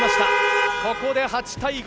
ここで８対５。